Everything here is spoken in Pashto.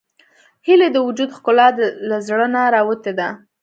هیلۍ د وجود ښکلا له زړه نه راوتې ده